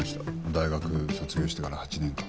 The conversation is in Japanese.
大学卒業してから８年間。